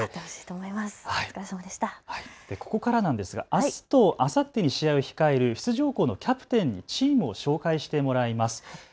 あすとあさってに試合を控える出場校のキャプテンにチームを紹介してもらいます。